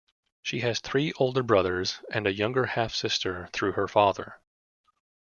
She has three older brothers and a younger half sister, through her father.